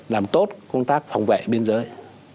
làm tốt công tác phòng vệ biên giới